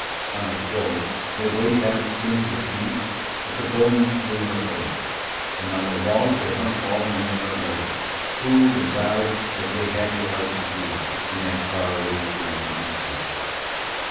On the floors they laid down skins of beasts that the bowmen slew in the forest; and on the walls there hung all manner of leather, tooled and dyed as they had the art to do in that far away period in Spain.